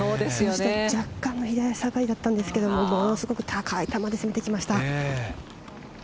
若干の左下がりだったんですけどものすごく高い球で攻めてきました。